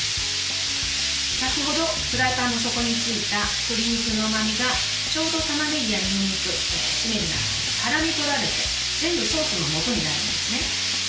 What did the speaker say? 先ほどフライパンの底についた鶏肉のうまみがちょうどたまねぎやにんにく、しめじがからみ取られて全部ソースのもとになるんですね。